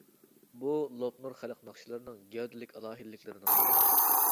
بۇ لوپنۇر خەلق ناخشىلىرىنىڭ گەۋدىلىك ئالاھىدىلىكلىرىنىڭ بىرى.